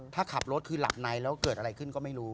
ถ้าขับรถคือหลับในแล้วเกิดอะไรขึ้นก็ไม่รู้